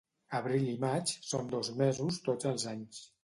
Abril i maig són dos mesos tots els anys.